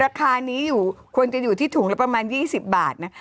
ราคานี้อยู่ควรจะอยู่ที่ถุงละประมาณ๒๐บาทนะ